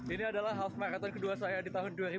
ini adalah half marathon kedua saya di tahun dua ribu dua